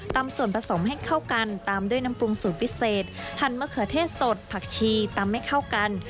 ส่วนผสมให้เข้ากันตามด้วยน้ำปรุงสูตรพิเศษทานมะเขือเทศสดผักชีตำให้เข้ากัน